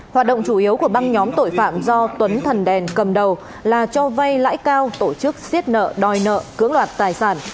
hoạt động chủ yếu của băng nhóm tội phạm do tuấn thần đèn cầm đầu là cho vay lãi cao tổ chức xiết nợ đòi nợ cưỡng đoạt tài sản